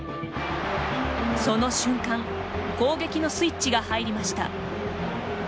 その瞬間攻撃のスイッチが入りました。